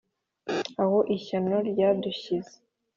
Aho ishyano ryadushyize